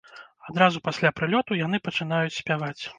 Адразу пасля прылёту яны пачынаюць спяваць.